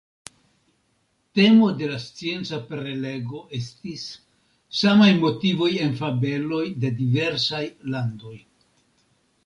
Temo de la scienca prelego estis: samaj motivoj en fabeloj de diversaj landoj.